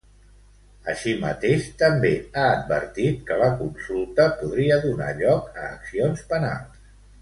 Així mateix, també ha advertit que la consulta podria donar lloc a accions penals.